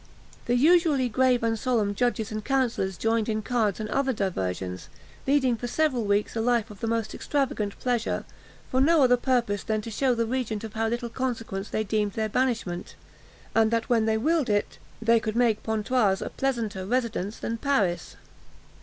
The usually grave and solemn judges and councillors joined in cards and other diversions, leading for several weeks a life of the most extravagant pleasure, for no other purpose than to shew the regent of how little consequence they deemed their banishment, and that, when they willed it, they could make Pontoise a pleasanter residence than Paris.